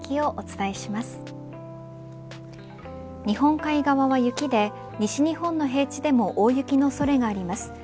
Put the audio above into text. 日本海側は雪で西日本の平地でも大雪の恐れがあります。